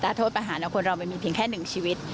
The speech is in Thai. อัตราโทษประหารเรามันมีเพียงแค่๑ชีวิต